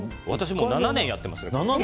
もう７年やってますね。